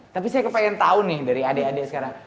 tapi saya kepengen tahu nih dari adik adik sekarang